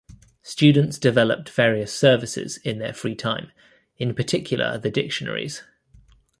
Students developed various services in their free time, in particular the dictionaries.